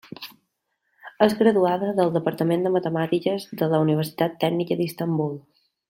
És graduada del departament de matemàtiques de la Universitat Tècnica d'Istanbul.